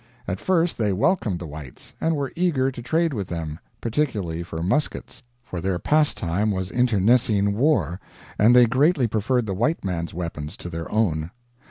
At first they welcomed the whites, and were eager to trade with them particularly for muskets; for their pastime was internecine war, and they greatly preferred the white man's weapons to their own.